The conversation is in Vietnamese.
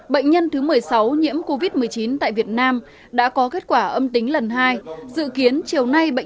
bệnh nhân thứ một mươi sáu nhiễm covid một mươi chín tại việt nam đã có kết quả âm tính lần hai dự kiến chiều nay bệnh